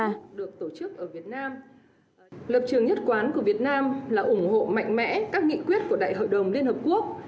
lập trường nhất quán của việt nam là ủng hộ mạnh mẽ các nghị quyết của đại hội đồng liên hợp quốc